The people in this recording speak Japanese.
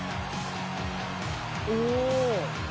お！